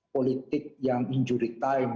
politik yang injuritain